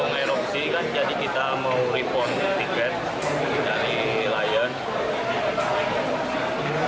karena gunung eropsi kan jadi kita mau refund tiket dari lion